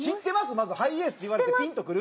まずハイエースって言われてピンとくる？